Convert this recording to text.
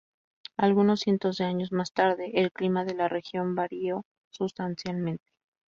Algunos cientos de años más tarde, el clima de la región varió sustancialmente.